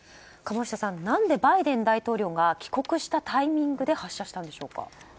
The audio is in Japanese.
鴨下さん、何でバイデン大統領が帰国したタイミングで発射したんでしょうか。